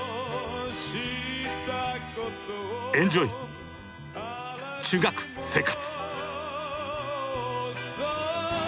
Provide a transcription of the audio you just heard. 「エンジョイ中学生活！」。